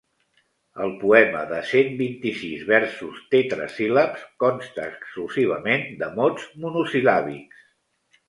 El poema, de cent vint-i-sis versos tetrasíl·labs, consta exclusivament de mots monosil·làbics.